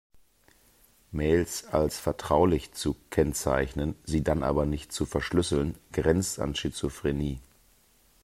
Mails als vertraulich zu kennzeichnen, sie dann aber nicht zu verschlüsseln, grenzt an Schizophrenie.